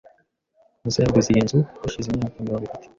Musa yaguze iyi nzu hashize imyaka mirongo itatu.